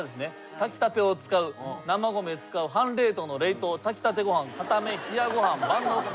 「炊きたてを使う」「生米使う」「半冷凍の冷凍」「炊きたてご飯」「硬め」「冷やご飯」「万能お米を使う」